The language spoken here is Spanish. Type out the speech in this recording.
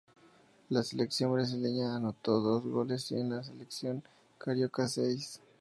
En la Selección Brasileña anotó dos goles y en la Selección Carioca, seis.